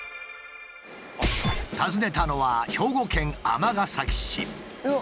訪ねたのは兵庫県尼崎市。